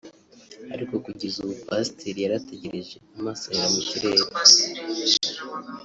ariko kugeza ubu Pasiteri yarategereje amaso ahera mu kirere